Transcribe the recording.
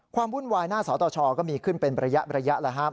ความวุ่นวายหน้าสอตชก็มีขึ้นเป็นระยะนะครับ